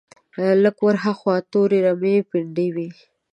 لږ ور هاخوا تورې رمې پنډې وې.